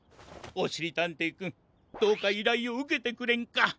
おしりたんていくんどうかいらいをうけてくれんか？